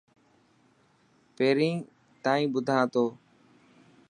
پهرين تائن ٻڌان ٿو.